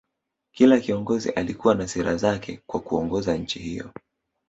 Kila kiongozi alikuwa na sera zake kwa kuongoza nchi hiyo